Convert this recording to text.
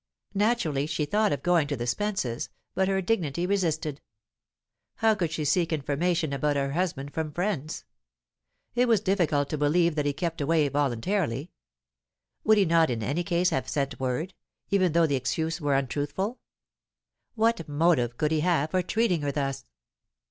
Naturally, she thought of going to the Spences'; but her dignity resisted. How could she seek information about her husband from friends? It was difficult to believe that he kept away voluntarily. Would he not in any case have sent word, even though the excuse were untruthful? What motive could he have for treating her thus?